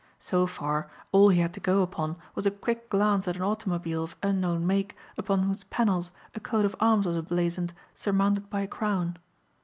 So far all he had to go upon was a quick glance at an automobile of unknown make upon whose panels a coat of arms was emblazoned surmounted by a crown.